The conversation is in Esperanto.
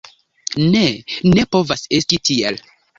Ne, ne povas esti tiel.